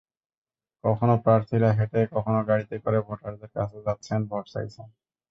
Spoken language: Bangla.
কখনো প্রার্থীরা হেঁটে, কখনো গাড়িতে করে ভোটারদের কাছে যাচ্ছেন, ভোট চাইছেন।